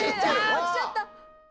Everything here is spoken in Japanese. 落ちちゃった。